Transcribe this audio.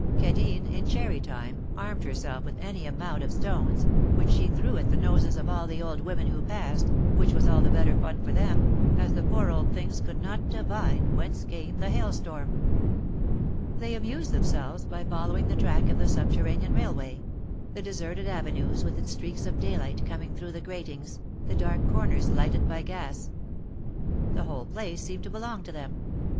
Cadine, in cherry time, armed herself with any amount of stones, which she threw at the noses of all the old women who passed, which was all the better fun for them, as the poor old things could not divine whence came the hailstorm. They amused themselves by following the track of the subterranean railway — the deserted avenues with its streaks of daylight coming through the gratings, the dark corners lighted by gas. The whole place seemed to belong to them.